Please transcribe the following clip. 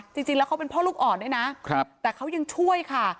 จริงแล้วเขาเป็นพ่อลูกอ่อนด้วยนะแต่เขายังช่วยค่ะ